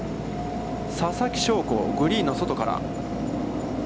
ささきしょうこ、グリーンの外から。